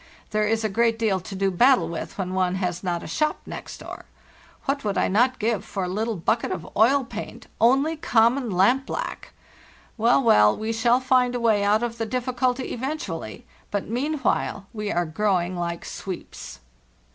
There is a great deal to do battle with when one has not a shop next door. What would I not give for a little bucket of o1l paint, only com mon Jampblack! Well, well; we shall find a way out of the difficulty eventually, but meanwhile we are growing like sweeps.